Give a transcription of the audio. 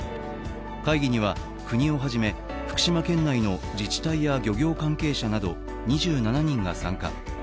会議には、国をはじめ福島県内の自治体や漁業関係者など２７人が参加。